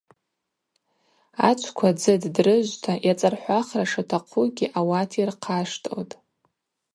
Ачвква дзы ддрыжвта йацӏархӏвахра шатахъугьи ауат йырхъаштылтӏ.